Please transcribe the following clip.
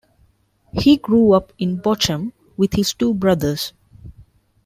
He grew up in Bochum with his two brothers.